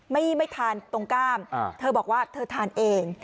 ไม่ทานตรงก้ามเธอบอกว่าเธอทานเอง